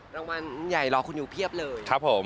รางวัลใหญ่รอคุณอยู่เพียบเลย